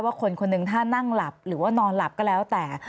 คนคนหนึ่งถ้านั่งหลับหรือว่านอนหลับก็แล้วแต่